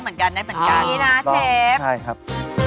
เอาอย่างนี้นะเชฟค่ะใช่ครับ